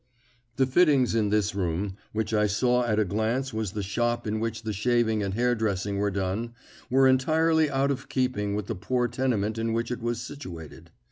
The fittings in this room, which I saw at a glance was the shop in which the shaving and hair dressing were done, were entirely out of keeping with the poor tenement in which it was situated.